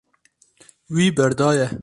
Wî berdaye.